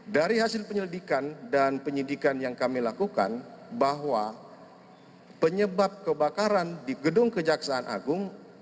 dari hasil penyelidikan dan penyidikan yang kami lakukan bahwa penyebab kebakaran di gedung kejaksaan agung